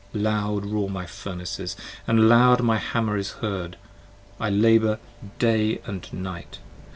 25 Loud roar my Furnaces and loud my hammer is heard: I labour day and night.